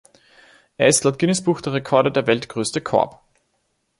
Er ist laut Guinness-Buch der Rekorde der weltgrößte Korb.